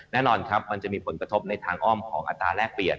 แน่นอนครับมันจะมีผลกระทบในทางอ้อมของอัตราแรกเปลี่ยน